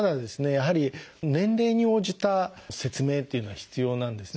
やはり年齢に応じた説明っていうのは必要なんですね。